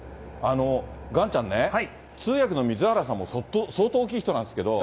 がんちゃんね、通訳のみずはらさんも相当大きい人なんですけど。